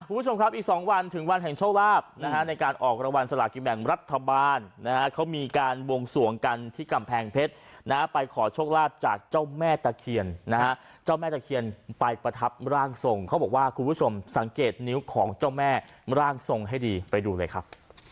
คุณผู้ชมครับอีกสองวันถึงวันแห่งโชคลาภนะฮะในการออกรางวัลสลากินแบ่งรัฐบาลนะฮะเขามีการวงสวงกันที่กำแพงเพชรนะฮะไปขอโชคลาภจากเจ้าแม่ตะเคียนนะฮะเจ้าแม่ตะเคียนไปประทับร่างทรงเขาบอกว่าคุณผู้ชมสังเกตนิ้วของเจ้าแม่ร่างทรงให้ดีไปดูเลยครับ